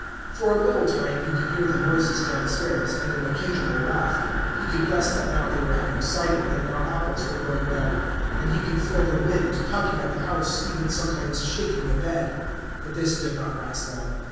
For a little time he could hear the noises downstairs, and an occasional laugh; he could guess that now they were having cider, and now apples were going round; and he could feel the wind tugging at the house, even sometimes shaking the bed. But this did not last long.